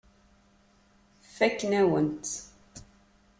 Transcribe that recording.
Fakken-awen-tt.